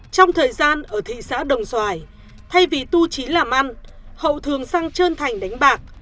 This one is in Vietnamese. trong thời gian ở thị xã đồng xoài thay vì tu trí làm ăn hậu thường sang trơn thành đánh bạc